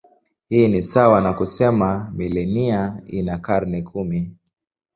Hii ni sawa na kusema milenia ina karne kumi.